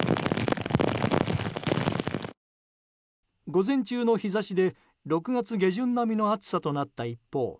午前中の日差しで６月下旬並みの暑さとなった一方